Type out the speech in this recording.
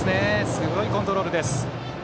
すごいコントロールです。